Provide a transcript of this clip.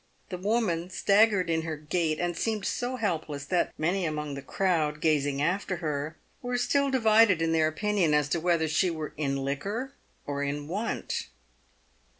The woman staggered in her gait, and seemed so helpless, that many among the crowd, gazing after her, were still divided in their opinion as to whether she were in liquor or in want.